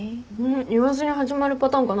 言わずに始まるパターンかな。